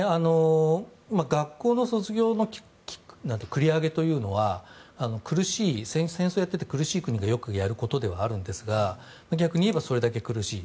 学校の卒業の繰り上げというのは戦争をやっていて苦しい国がよくやることではあるんですが逆に言えばそれだけ苦しい。